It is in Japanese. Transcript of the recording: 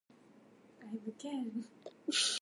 私はケンです。